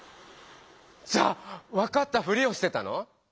じゃあ分かったふりをしてたの？